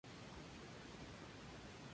Campbell nació y vive en Nueva York.